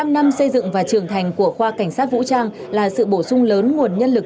bảy mươi năm năm xây dựng và trưởng thành của khoa cảnh sát vũ trang là sự bổ sung lớn nguồn nhân lực